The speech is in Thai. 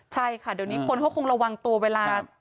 ใช่ค่ะเดี๋ยวนี้คนเขาคงระวังตัวเวลา